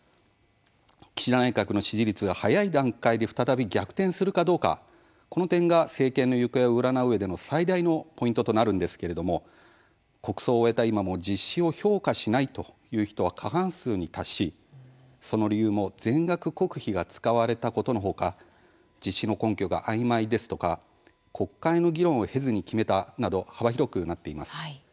岸田内閣の支持率が早い段階で再び逆転するかどうか、この点が政権の行方を占ううえでの最大のポイントとなるんですが国葬を終えた今も実施を「評価しない」という人は過半数に達し、その理由も全額国費が使われたことの他実施の根拠があいまいですとか国会の議論を経ずに決めたなど幅広くなっています。